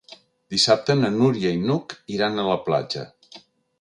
Dissabte na Núria i n'Hug iran a la platja.